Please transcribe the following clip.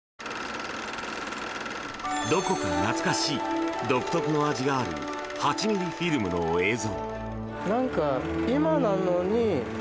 どこか懐かしい独特の味がある８ｍｍフィルムの映像。